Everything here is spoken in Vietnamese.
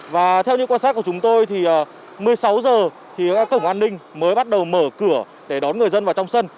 và theo như quan sát của chúng tôi thì một mươi sáu giờ thì các cổng an ninh mới bắt đầu mở cửa để đón người dân vào trong sân